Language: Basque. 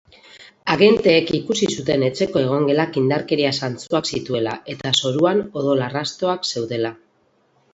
Agenteek ikusi zuten etxeko egongelak indarkeria zantzuak zituela eta zoruan odol arrastoak zeudela.